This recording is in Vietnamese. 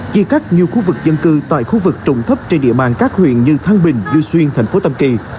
chia cắt nhiều khu vực dân cư tại khu vực trụng thấp trên địa bàn các huyện như thăng bình duy xuyên thành phố tâm kỳ